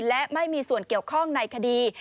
และไม่มีส่วนเกี่ยวข้องในคดี